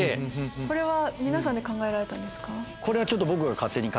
これは皆さんで考えられたんですか？